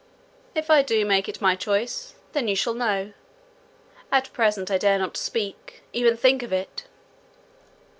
"If I do make it my choice, then you shall know; at present I dare not speak, even think of it."